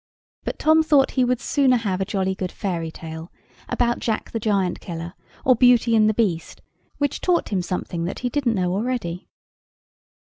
But Tom thought he would sooner have a jolly good fairy tale, about Jack the Giant killer or Beauty and the Beast, which taught him something that he didn't know already.